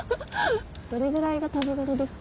どれぐらいが食べ頃ですか？